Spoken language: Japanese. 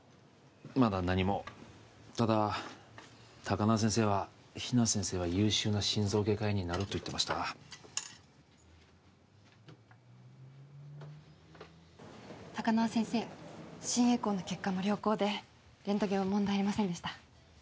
まだ何もただ高輪先生は比奈先生は優秀な心臓外科医になると言ってました高輪先生心エコーの結果も良好でレントゲンも問題ありませんでした